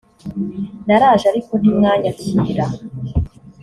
naraje ariko ntimwanyakira